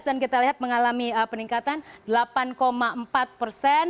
dan kita lihat mengalami peningkatan delapan empat persen